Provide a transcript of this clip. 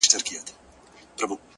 مسافرۍ كي يك تنها پرېږدې،